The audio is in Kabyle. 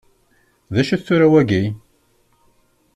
D acu-t tura wagi?